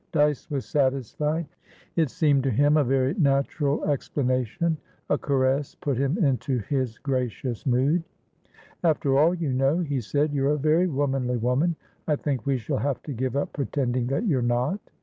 Dyce was satisfied. It seemed to him a very natural explanation; a caress put him into his gracious mood. "After all, you know," he said, "you're a very womanly woman. I think we shall have to give up pretending that you're not."